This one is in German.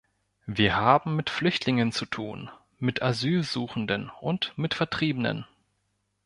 Wir haben mit Flüchtlingen zu tun, mit Asylsuchenden und mit Vertriebenen.